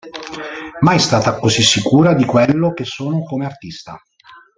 Mai stata così sicura di quello che sono come artista.